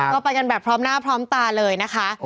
ก็ไปกันแบบพร้อมหน้าพร้อมตาเลยนะคะ